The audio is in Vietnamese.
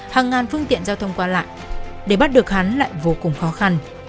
hàng ngàn phương tiện giao thông qua lại để bắt được hắn lại vô cùng khó khăn